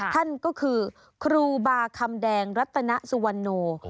ท่านก็คือครูบาคำแดงรัตนสุวรรณโน